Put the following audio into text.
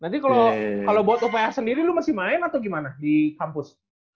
nanti kalau buat ops sendiri lu masih main atau gimana di kampus